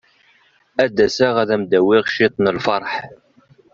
Ad d-aseɣ ad am-d-awiɣ ciṭ n lferḥ.